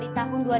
kisah yang terbang